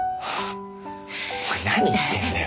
お前何言ってんだよ。